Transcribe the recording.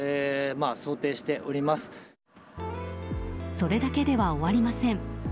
それだけでは終わりません。